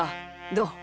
どう？